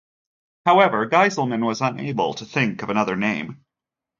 However, Geiselman was unable to think of another name.